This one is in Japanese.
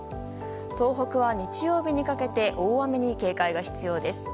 東北は、日曜日にかけて大雨に警戒が必要です。